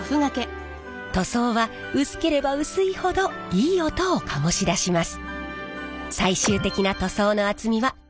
塗装は薄ければ薄いほどいい音を醸し出します。